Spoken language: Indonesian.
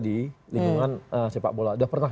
di lingkungan sepak bola udah pernah